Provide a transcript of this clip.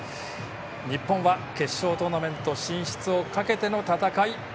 日本は決勝トーナメント進出をかけての戦い。